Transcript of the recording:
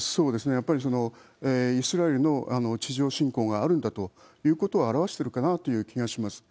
やっぱりイスラエルの地上侵攻があるんだということを表してるかなという気がします。